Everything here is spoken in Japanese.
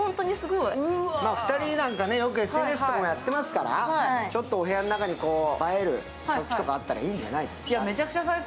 ２人なんかよくＳＮＳとかもやっていますから、映える食器とかあったらいいんじゃないですか。